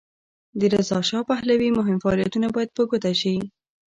د رضاشاه پهلوي مهم فعالیتونه باید په ګوته شي.